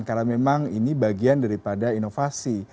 karena memang ini bagian daripada inovasi